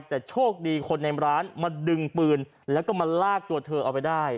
แต่โชคดีคนในร้านมาดึงปืนแล้วก็มาลากตัวเธอเอาไปได้